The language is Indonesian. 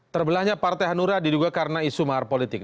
terbelahnya partai hanura diduga karena isu mahar politik